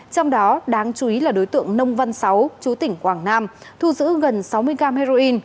trong đó đáng chú ý là đối tượng nông văn sáu chú tỉnh quảng nam thu giữ gần sáu mươi gam heroin